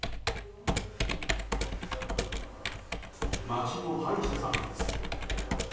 町の歯医者さんです。